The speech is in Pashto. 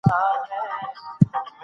آیا ته پوهېږې چې د علق سورت څه مانا لري؟